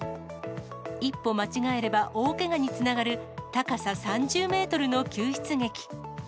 一歩間違えれば大けがにつながる、高さ３０メートルの救出劇。